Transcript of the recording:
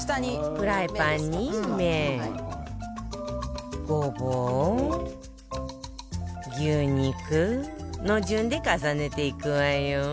フライパンに麺ごぼう牛肉の順で重ねていくわよ